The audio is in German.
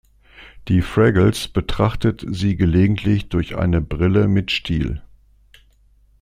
Die Fraggles betrachtet sie gelegentlich durch eine Brille mit Stiel.